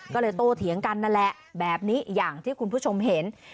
ก็เลยโตเถียงกันนั่นแหละแบบนี้อย่างที่คุณผู้ชมเห็น